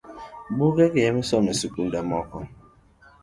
Buge misomo ni e sikunde moko